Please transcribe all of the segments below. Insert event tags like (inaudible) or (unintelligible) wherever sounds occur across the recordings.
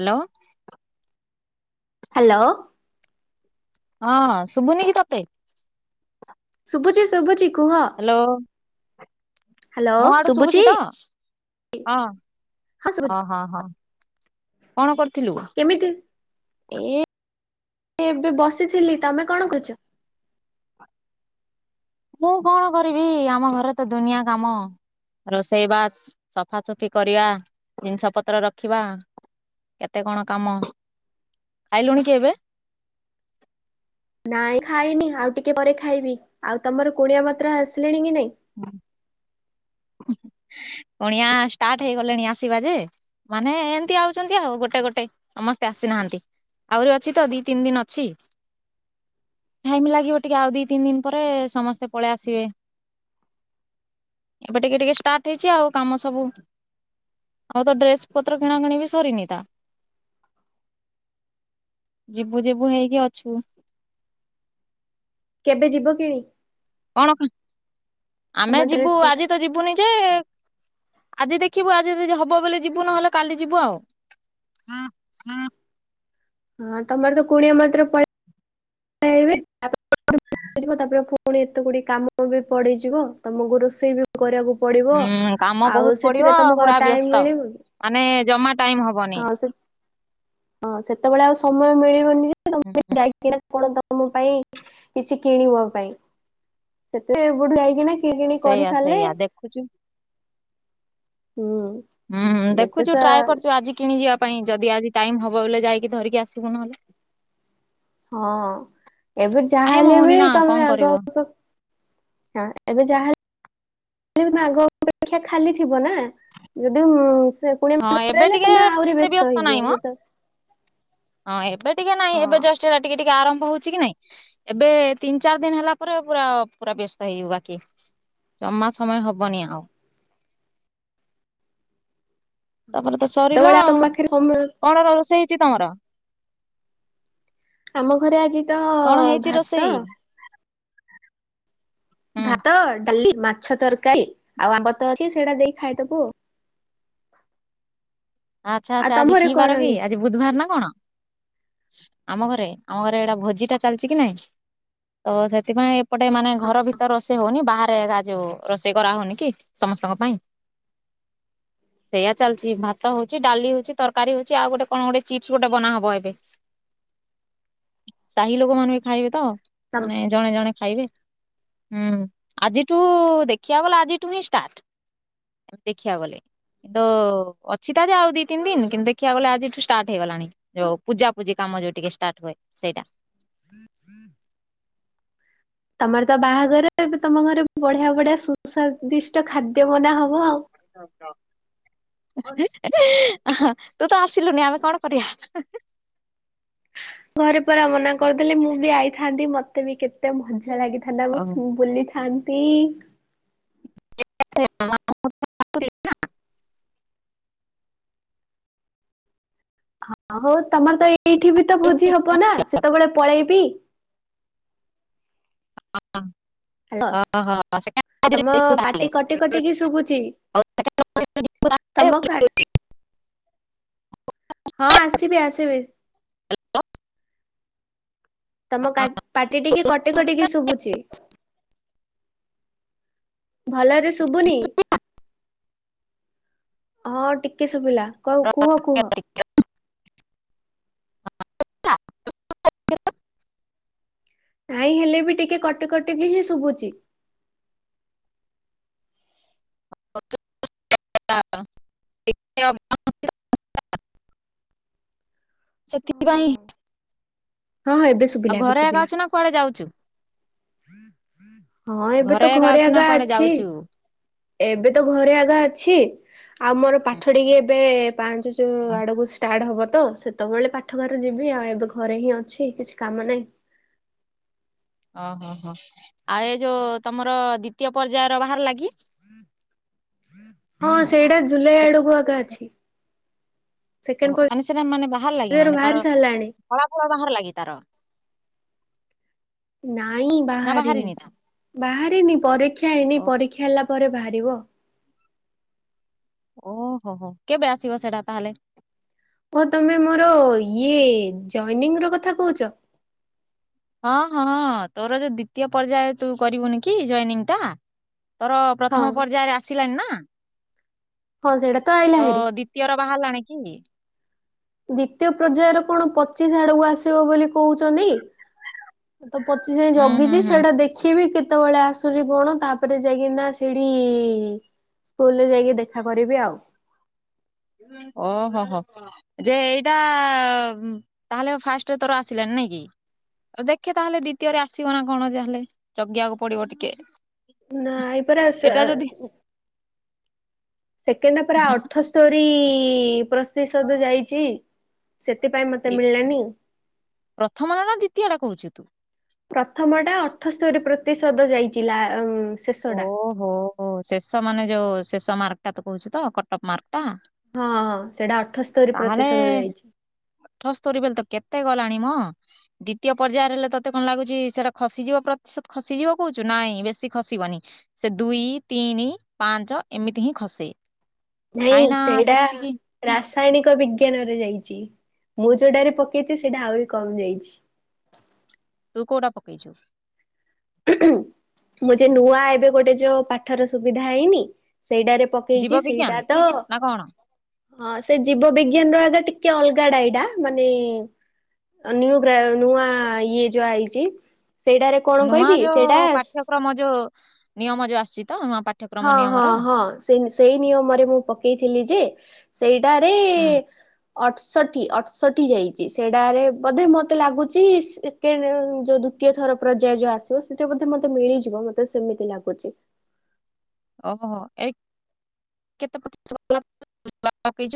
Hello. Hello. ହଁ ଶୁଭୁନି କି ତତେ? ଶୁଭୁଚି ଶୁଭୁଚି। ହାଲୋ। ହ୍ୟାଲୋ ହଁ ମୋ ଆଡୁ ଶୁଭୁଛି ତ। ହଁ ହଁ ହଁ ହଁ କଣ କରୁଛୁ? କେମିତି? ଏ ଏବେ ବସିଥିଲି ତମେ କଣ କରୁଛ? ମୁଁ କଣ କରିବି ଆମ ଘରେ ତ ଦୁନିଆ କାମ ରୋଷେଇବା ସଫାସଫି କରିବା ଜିନିଷ ପତ୍ର ରଖିବା। କେତେ କଣ କାମ ଖାଇଲୁଣି କି ଏବେ? ଶବ୍ଦ ଆସୁନି। ନାଇଁ ଖାଇନି ଆଉ ଟିକେ ପରେ ଖାଇବି ଆଉ ତମର କୁଣିଆ ମାତ୍ର ଆସିଲେଣି କି ନାଇଁ। ହଁ। ପଣିଆ ଷ୍ଟାର୍ଟ ହେଇଗଲେଣି ଆସିବାଜେ। ମାନେ ଏମିତି ଆଉଛନ୍ତି ଆଉ ଗୋଟେ ଗୋଟେ ସମସ୍ତେ ଆସିନାହାନ୍ତି। ଆହୁରି ଅଛି ତ ଦି ତିନି ଦିନ ଅଛି। ଟାଇମ୍ ଲାଗିବ ଟିକେ ଆଉ ଦି ତିନି ଦିନ ପରେ ସମସ୍ତେ ପଳେଇ ଆସିବେ। ଏବେ ଟିକେ ଟିକେ ଷ୍ଟାର୍ଟ ହେଇଛି ଆଉ କାମ ସବୁ। ଆଉ ତ ଡ୍ରେସ ପତ୍ର କିଣା କିିଣି ବି ସରିନି ତା। ଯିବୁ ଯିବୁ ହେଇକି ଅଛୁ ଏବେ ଯିବ କି? କଣ ଆମେ ଡ୍ରେସ ଯିବୁ ପଟା ଆଜି ତ ଯିବୁନି ଯେ ଆଜି ଦେଖିବୁ ଆଜି ଯି ହବ ବୋଲି ଯିବୁ ନହେଲେ କାଲି ଯିବୁ ଆଉ। ହଁ ହୁଁ ହଁ ତମର ତ କୁଣିଆ ମାତ୍ର ପେଇବେ ତାପରେ ପୁଣି ଏତେ ଗୁଡିଏ କାମ ବି ପଡ଼ିଯିବ ତମକୁ ରୋଷେଇ ବି କରିବାକୁ। ପଡିବ ହୁଁ କାମ ଆଉ ବହୁତ ପଡିବ ସେଥିରେ ତମକୁ ଆଉ ପୁରା ବ୍ୟସ୍ତ ଟାଇମ ମିଳିବ। ମାନେ ଜମା ଟାଇମ ହବନି। ହଁ ସେ ହଁ ସେତେବେଳେ ଆଉ ସମୟ ମିଳିବନି ଯେ ତମେ ହୁଁ ଯାଇକି। ଆପଣ ତମ ପାଇଁ କିଛି କିଣିବା ପାଇଁ ସେଥିେ ଏପଟୁ ଯାଇକିନା। କି କିଣା କିଣି କରି ସେଇଆ ସାରିଲେ। ସେଇଆ ଦେଖୁଛୁ ହୁଁ ଯେତେ ଦେଖୁଛୁ ସା ଟ୍ରାଏ କରୁଛୁ ଆଜି କିଣି ଯିବା ପାଇଁ ଯଦି ଆଜି ଟାଇମ ହବ ବୋଇଲେ ଯାଇକି ଧରିକି ଆସିବୁ ନହେଲେ। ହଁ ଏବେ ଟାଇମ ଯାହାହଲେ ହଉନି ବି ନା କଣ ତମେ ଆଗ କରିବ ହଁ ଏବେ ଯାହା ମାଗ ଅପେକ୍ଷା ଖାଲି ଥିବ ନା ଯଦି ସେୁଣି ହଁ ଏବେ ମଳଲେ ଟିକେ ତମେ ଆହୁରି ଏତେ ବ୍ୟସ୍ତ ନାହିଁ ହେଇଯିବ ମ ସେତ ହଁ ଏବେ ଟିକେ ନାଇଁ ଏବେ ଜଷ୍ଟା ଟିକେ ଟିକେ ଆରମ୍ ହଉଛି କି ନାଇଁ ଏବେ ତିନି ଚାରି ଦିନ ହେଲା ପରେ ପୁରା ପୁରା ବ୍ୟସ୍ତ ହେଇଯିବ ବାକି। ଜମା ସମୟ ହବନି ଆଉ। (unintelligible) ତାପରେ ତ ସରିଲ ସେତେବେଳେ ଆଉ ତମ ପାଖରେ ସମୟ କଣ ରୋଷେଇ ହେଇଛି ତମର। ଆମ ଘରେ ଆଜି ତ କଣ ହେଇଛି ରୋଷେଇ? ଭାତ। ହୁଁ ଭାତ ଡାଲି ମାଛ ତରକାରୀ ଆଉ ଆମ୍ବ ତ ଅଛି ସେଇଟା ଦେଇ ଖାଇଦେବୁ ଆଉ। ଆଚ୍ଛା ଆଉ ଆଚ୍ଛା ତମ ଆଜି ଘରେ କଣ କିିବାର କି ହେଇଛି? ଆଜି ବୁଧବାର ନା କଣ। ଆମ ଘରେ ଆମ ଘରେ ଏଇଟା ଭୋଜି ଟା ଚାଲିଛି କି ନାଇଁ। ତ ସେଥିପାଇଁ ଏପଟେ ମାନେ ଘର ଭିତରେ ରୋଷେଇ ହଉନି ବାହାରୋ ଯୋଉ ରୋଷେଇ କରା ହଉନି କି ସମ ସମସ୍ତଙ୍କ ପାଇଁ। (unintelligible) ସେଇୟା ଚାଲିଛି ଭ ଭାତ ହଉଛି ଡାଲି ହଉଛି ତରକାରୀ ହଉଛି ଆଉ ଗୋଟେ କଣ ଗୋଟେ ଚିପ୍ସ ଗୋଟେ ବନାହବ ଏବେ। ସାହି ଲୋକମାନୋନ ବି ଖାଇବେ ତ ତମ ମାନେ ଜଣେ ଜଣେ ଖାଇବେ। ହୁଁ ଆଜିଠୁ ଦେଖିବାକୁ ଗଲେ ଆଜିଠୁ ହିଁ ଷ୍ଟାର୍ଟ। ଦେଖିବାକୁ ଗଲେ ତ ଅ ସିଧ ଯେ ଆଉ ଦି ତିି ଦିନ କିନ୍ତୁ ଦେଖିବାକୁ ଗଲେ ଆଜିଠୁ ଷ୍ଟାର୍ଟ ହେଇଗଲାଣି ଯଉ ପୂଜା ପୂଜି କାମ ଯୋଉ ଟିକେ ଷ୍ଟାର୍ଟ ହୁଏ। ସେଇଟା। ହୁଁ ହୁଁ ତମର ତ ବାହାଘର ତମ ଘରେ ବଢିଆ ବଢିଆ ସୁସ୍ଵାଦିଷ୍ଟ ଖାଦ୍ୟ ମନା ହବ ଆଉ। (unintelligible) ତୁ ତ ଆସିଲୁନି ଆମେ କଣ କରିବା। ଘରେ ପରା ମନା କରିଦେଲେ ମୁଁ ବି ଆଇଥାନ୍ତି ମତେ ବି କେତେ ଏତେ ମଜା ଲାଗିଥାନ୍ତା ଓହୋ ବୁଲିଥାନ୍ତି। (unintelligible) ହଁ ହଉ। ତମର ତ ଏଇଠି ବି ତ ଭୋଜି ହବ ନା ସେତେବେଳେ ପଳେଇବି। ହ୍ୟାଲୋ (inaudible) ଓ ହ ସେ ତମ ତାହଲେ ପାଟି କଟି କଟିକି ଶୁଭୁଛି (inaudible) ଆଉ (unintelligible) ତମ କ ହଁ ଆସିବି ଆସିବି। ତମ ପାଟି ଟିକେ କଟି କଟିକି ଶୁଭୁଛି। ଭଲରେ ଶୁଭୁନି। ହଁ ଟିକେ ଶୁଭିଲା କ କୁହ କୁହ। (unintelligible) ନାଇଁ ହେଲେ ବି ଟିକେ କଟି କଟିକି ହିଁ ଶୁଭୁଛି। (unintelligible) (unintelligible) ସେଥିପାଇଁ ହଁ ଏବେ ଆଉ ଶୁଭିଲା ଏବେ ଘରେ ଏକା ଶୁଭିଲା। ଅଛୁ ନା କୁଆଡେ ଯାଉଛୁ? ହଁ ଏବେ ତ ଏକା ଘରେ ଅଛୁ ନା ଆଗା କୁଆଡେ ଅଛି। ଯାଉଛୁ? ଏବେ ତ ଘରେ ଆଗା ଅଛି ଆଉ ମୋର ହୁଁ। ପାଠ ଟିକି ଏବେ ପାଞ୍ଚ ଯାଉ ଆଡକୁ ଷ୍ଟାର୍ଟ ହବ ତ ସେତେବେଳେ ପାଠଗାର ଯିବି ଆଉ ଏବେ ଘରେ ହିଁ ଅଛି କିଛି କାମ ନାହିଁ। ଓହୋ ହୋ ଆଉ ଏ ଯୋଉ ତମର ଦ୍ଵିତୀୟ ପର୍ଯ୍ୟାୟ ର ବାହାରିଲା କି? ହଁ ସେଇଟା ଜୁଲାଇ ସେ ଆଡକୁ ଏକା ଅଛି। ସେକେଣ୍ଡ ଓ ମାନେ ସେଟ ମାନେ ବାହାର ଲାଗେ ପର୍ଯ୍ୟାୟରୁ ମାନେ ବାହାରି ତାର ସାରିଲାଣି ଫଳା ଫଳା ବାହାର ଲାଗି ତାର। ନାଇଁ ନା ବାହାରିନି। ତା ବାହାରିନି ପରୀକ୍ଷା ହେଇନି ଓ ପରୀକ୍ଷା ହେଲା ପରେ ବାହାରିବ। ଓହୋ ହୋ କେବେ ଆସିବ ସେଇଟା ତାହେଲେ? ଓ ତମେ ମୋର ଇଏ ଜନିଂ ର କଥା କହୁଛ। ହଁ ହଁ ତୋର ଯୋଉ ଦ୍ଵିତୀୟ ପର୍ଯ୍ୟାୟ ତୁ କରିବୁନି କି ଜନିଂ ଟା। ତୋର ହଁ ପ୍ରଥମ ପର୍ଯ୍ୟାୟରେ ଆସିଲାଣିି ନାଁ। ହଁ ସେଇଟା ଆଇଲା ତ ହେରି ଦ୍ଵିତୀୟ ର ବାହାରିଲାଣି କି? ଦ୍ଵିତୀୟ ପର୍ଯ୍ୟାୟର କଣ ପଚିଶ ଆଡକୁ ଆସିବ ବୋଲି କହୁଛନ୍ତି। ତ ପଚିଶ ଯଁ ହୁଁ ଜଗିଛି ହୁଁ ସେଟା ଦେଖିବି କେ କେତେବେଳେ ଆସୁଛି କଣ ତାପରେ ଯାଇକିନା ସେଠି ସ୍କୁଲରେ ଯାଇକି ଦେଖା କରିବି ଆଉ। ଓହୋ ହୋ ଯେ ଏଇଟା ତାହେଲେ ଫାଷ୍ଟ ତୋର ଆସିଲାନି। ନାଇଁ କି ଆଉ ଦେଖେ ତାହେଲେ ଦ୍ଵିତୀୟରେ ଆସିବ ନା କଣ ଯାହାହେଲେ ଜଗିବାକୁ ପଡିବ ଟିକେ। ନାଇପରା ସେ ଏଟା ଯଦି ସେକେଣ୍ଡ ପରା ହୁଁ, ଅଠସ୍ତୋରୀ ପର ସଦ ଯାଇଛି ସେଥିପାଇଁ ମତେ ଏ- ମିଳିଲାନି। ପ୍ରଥମ ନା ଦ୍ୱିତୀୟ ଟା କହୁଛୁ ତୁ? ପ୍ରଥମ ଟା ଅଠସ୍ତରୀ ପ୍ରତିଶତ ଯାଇଚି ଲା ଶେଷଟା ଓହୋ ହୋ ଶେଷ ମାନେ ଯୋଉ ଶେଷ ମାର୍କଟା ତ କହୁଛୁ ତ କଟଟ ମାର୍କ ହଁ ହଁ ସେଇଟା ଅଠସ୍ତରୀ ପ୍ରତିଶତ ଯାଇଛି। ଅଠସ୍ତୋରୀ ବଲେ ତ କେତେ ଗଲାଣି ମୋ। ଦ୍ୱତୀୟ ପର୍ଯ୍ୟାୟରେ ହେଲେ ତତେ କଣ ଲାଗୁଛି ସେଟା ଖସିଯିବ ପ୍ରତିଶତ ଖସିଯିବ କହୁଛୁ ନାଇଁ ବେଶୀ ଖସି ବନି ସେ ଦୁଇ ତିନି ପାଞ୍ଚ ଏମିତି ହିଁ ଖସେ। ନାଇଁ କାହିଁକି ନା ସେଇଟା ସେତିକି ରାସାୟନିକ ବିଜ୍ଞାନରେ ଯାଇଛି। ମୁଁ ଯୋଉଟାରେ ପକେଇଛି ସେଇଟା ଆହୁରି କମ ଯାଇଛି। ତୁ କୋଉଟା ପକେଇଛୁ? ମୁଁ ଯେ ନୂଆ ଏବେ ଗୋଟେ ଯୋଉ ପାଠର ସୁବିଧା ହେଇନି ସେଇଟାରେ ପକେଇଛି ଜୀବ ବିଜ୍ଞାନ ସେଇଟା ତ ନା କଣ ହଁ ସେ ଜୀବ ବିଜ୍ଞାନ ର ଆଜ୍ଞାନ ଟିକେ ଅଲଗା ଡାଇଟା ମାନେ ନିଉ ନୂଆ ଇଏ ଯ ଚି ସେଇଟରେ ନୂଆ ଯୋଉଁ ପାଠ୍ୟକ୍ରମ ଯୋଉ ନିୟମ ଯୋଉଁ ଆସି ହଁ ହଁ ହଁ ସେ ସେଇ ନିୟମରେ ମୁଁ ପକେଇଥିଲି ଯେ ସେଇ ଟାରେ ହୁଁ ଅଠଷଠି ଅଠଷଠି ଯାଇଛି ସେଟାରେ ବୋଧେ ମତେ ଲାଗୁଛି ସେକେଣ୍ଡ ଯୋଉଁ ଦ୍ୱିତୀୟ ଥର ପର୍ଯ୍ୟାୟ ଯୋଉ ଆସିବ ସେଟା ବୋଧେ ମତେ ମିଳିଯିବ ମତେ ସେମିତି ଲାଗୁଛି। ଓହୋ ଏକ। କେତେ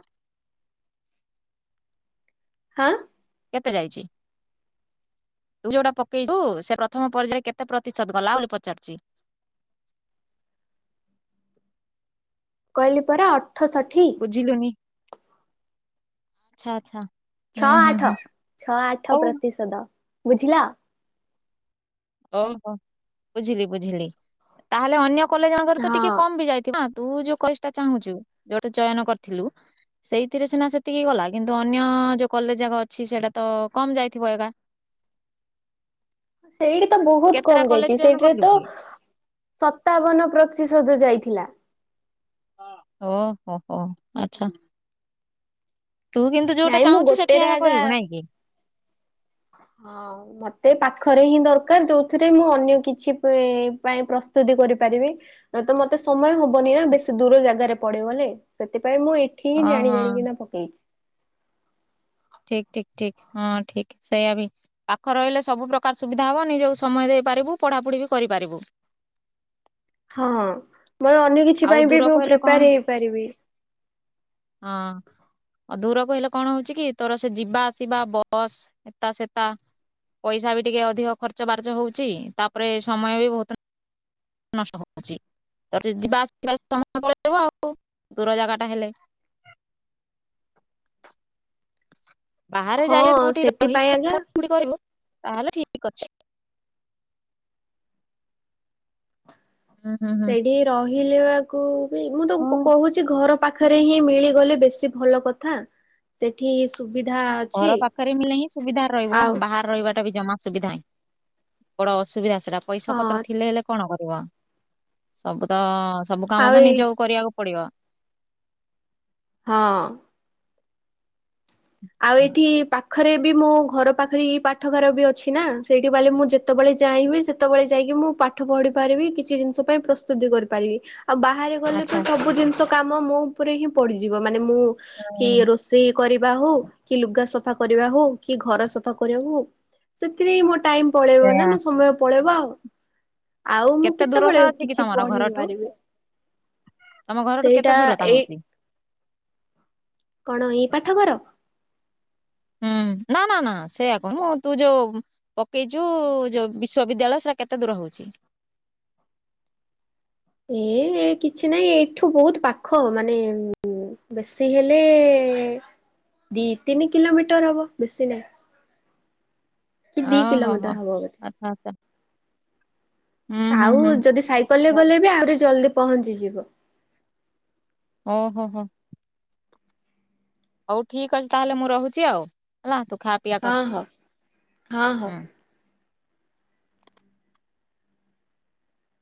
(unintelligible) ଆଁ କେତେ ଯାଇଛି? ତୁ ଯୋଉଟା ପକେଇଚୁ ସେ ପ୍ରଥମ ପର୍ଯ୍ୟାୟରେ କେତେ ପ୍ରତିଶତ ଗଲା ବୋଲି ପଚାରୁଚି? (inaudible) କହିଲି ପରା ଅଠଷଠି। ବୁଝିଲୁନି। ଆଚ୍ଛା ଆଚ୍ଛା। ହୁଁ ଛଅ ହୁଁ ଆଠ ହୁଁ। ଛଅ ଆଠ ହଉ ପ୍ରତିଶତ ବୁଝିଲ। ଓହୋ ବୁଝିଲି ବୁଝିଲି ତାହେଲେ ଅନ୍ୟ କଲେଜ ମାନଙ୍କରେ ତ ହଁ ଟିକେ କମ ବି ଯାଇଥିବ ନା। ତୁ ଯୋଉ କଲେଜଟା ଚାହୁଁଛୁ ଯୋଉଟା ଚୟନ କରିଥିଲୁ, ସେଇଥିରେ ସିନା ସେତିକି ଗଲା କିନ୍ତୁ ଅନ୍ୟ ଯୋଉ କଲେଜ ଯାକ ଅଛି ସେଇଟା ତ କମ ଯାଇଥିବ ଏଗା। ସେଇଠି ତ ବହୁତ କେତେଟା କମ କଲେଜ ଯାଇଚି। ଚୟନ ସେଇଠିରେ କଲୁ ତ କି? ସତାବନ ପ୍ରତିଶତ ଯାଇଥିଲା। ଓହୋ ହୋ ଆଚ୍ଛା। ତୁ କିନ୍ତୁ ଯୋଉଟା ନାଇଁ ମୁଁ ଚାହୁଁଛୁ ସେଠି ଗୋଟେରେ ଆଗା କରିବୁ ନାଇଁ କି। (inaudible) ହଁ ମତେ ପାଖରେ ହିଁ ଦରକାର ଯୋଉଥିରେ ମୁଁ ଅନ୍ୟ କିଛି ପା ପାଇଁ ପ୍ରସ୍ତୁତି କରି ପାରିବି ମତେ ସମୟ ହବନି ନା ବେଶୀ ଦୂର ଜାଗାରେ ପଢ଼ିବି ବୋଲି ସେଥିପାଇଁ ପାଇଁ ମୁଁ ଏଠି ହିଁ ହଁ ଜାଣି ହଁ। ଜାଣିକିନା ପକେଇଛି। ଠିକ ଠିକ ଠିକ ହଁ ଠିକ ସେଇଆ ବି ପାଖ ରହିଲେ ସବୁ ପ୍ରକାର ସୁବିଧା ହବ ନିଜକୁ ସମୟ ଦେଇ ପାରିବୁ ପଢାପଢି ବି କରିପାରିବୁ। ହଁ ମୋର ଅନ୍ୟ କିଛି ଆଉ ପାଇଁ ବି ମୁଁ ଦୂରକୁ ହେଲେ କଣ ପ୍ରିପେୟାର ହେଇପାରିବି। ହଁ। ଆଉ ଦୂର କହିଲେ କଣ ହଉଛି କି ତୋର ସେ ଯିବା ଆସିବା ବସ୍ ଏତା ସେତା ପଇସା ବି ଟିକେ ଅଧିକ ଖର୍ଚ୍ଚ ବାର୍ଚ୍ଚ ହଉଛି ତାପରେ ସମୟ ବି ବହୁତ ନଷ୍ଟ ହଉଛି। ତ ଯିବା ଆସିବା ସମୟ ପଳେଇବ ଆଉ ଦୂର ଜାଗା ଟା ହେଲେ। (inaudible) ବାହାରେ ହଁ ଯାଇ ଯଦି କୋଉଠି ସେଥିପାଇଁ ରହିକି ଆଜ୍ଞା ପଢ଼ାପଢ଼ି କରିବ ତାହେଲେ ଠିକ ଅଛି। ହୁଁ ହୁଁ ହୁଁ ସେଇଠି ରହିଲେ ବାକୁ ବି ମୁଁ ତ ହଉ କହୁଛି ଘର ପାଖା ପାଖରେ ହିଁ ମିଳିଗଲେ ବେଶି ଭଲ କଥା। ସେଠି ସୁବିଧା ଅଛି ଘର ପାଖରେ ମିିଳିଲେ ହିଁ ସୁବିଧାରେ ରହିବୁ। ଆଉ ବାହାର ରହିବା ଟା ବି ଜମା ସୁବିଧା ନାହିଁ। ବଡ ଅସୁବିଧା ସେଇଟା ପଇସା ପତ୍ର ହଁ ଥିଲେ ହେଲେ କଣ ହବ (unintelligible) ସବୁ ତ ସବୁ କାମ ଆଉ ତ ଏଇ ନିଜକୁ କରିବାକୁ ପଡ଼ିବ। ହଁ। ଆଉ ଏଠି ପା ଖରେ ବି ମୋ ଘର ପାଖରେ ହିଁ ପାଠଗାର ବି ଅଛି ନା, ସେଇଠି ବାଇଲେ ମୁଁ ଯେତେବେଳେ ଯାଇଁ ବି ସେତେବେଳେ ଯାଇକି କି ମୁଁ ପାଠ ପଢି ପାରିବି କିଛି ଜିନିଷ ପାଇଁ ପ୍ରସ୍ତୁତି କରିପାରିବି। ଆଉ ବାହାରେ ଗଲେ ତ ଆଚ୍ଛା ସବୁ ଜିନିଷ କାମ ମୋ ଉପରେ ହିଁ ପଡିଯିବ ମାନେ ମୁଁ କି ହୁଁ ରୋଷେଇ କରିବା ହଉ, କି ଲୁଗା ସଫା କରିବା ହଉ, କି ଘର ସଫା କରିବା ହଉ, ସେଥିରେ ହଁ ମୋ ଟାଇମ ପଳେଇବ ସେୟା ନା ମୋ ସମୟ ପଳେଇବ ଆଉ ଆଉ ମୁଁ କେତେ କେତେବେଳେ ଦୂରତା ଅଛି କି କିଛି ତମର ପଢି ଘରଠୁ ପାରିବି। ତମ ଘରଠୁ କେତେ ସେଇଟା ଦୂରତା ଏଇ ହଉଛି? କଣ ଏଇ ପାଠଗାର? ହୁଁ (inaudible) ନା ନା ନା ସେଇୟା କହୁନୁ ତୁ ଯୋଉ ପକେଇଚୁ ଯୋଉ ବିଶ୍ୱବିଦ୍ୟାଳୟ ସେଇଟା କେତେ ଦୂର ହଉ ଛି? ଏଇ କିଛି ନାହିଁ ଏଇଠୁ ବହୁତ ପାଖ ହବ। ମାନେ ବେଶୀ ହେଲେ ଦି ତିନି କିଲୋମିଟର ହେବ ବେସିନାଇ। ଓ ହୋ ହୋ ହବ ବୋଧେ। ଆଚ୍ଛା ଆଚ୍ଛା। ହୁଁ ହୁଁ ଆଉ ହୁଁ ଯଦି ସାଇକେଲ ରେ ହଉ ଗଲେ ବି ଆହୁରି ଜଲଦି ପହଞ୍ଚିଯିବ। ଓ ହୋ ହୋ। ହଉ ଠିକ ଅଛି ତାହେଲେ ମୁଁ ରହୁଛି ଆଉ ହେଲା। ଖା ପିଆ ହଁ କର ହଁ ହଁ ହଁ। ହୁଁ